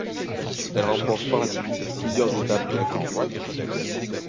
Elle remporte par la suite plusieurs étapes de la Coupe du monde.